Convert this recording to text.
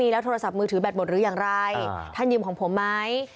หรืออย่างไรท่านยืมของผมไหม